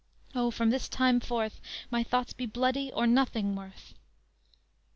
O, from this time forth, My thoughts be bloody or nothing worth!"